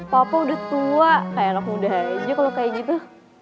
papa udah tua kayak anak muda aja kalau kayak gitu